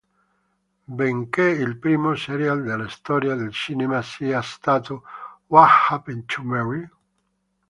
Benché il primo serial della storia del cinema sia stato "What Happened to Mary?